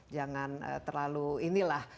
jangan terlalu inilah